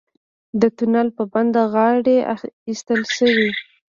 د تونل په بڼه غارې ایستل شوي.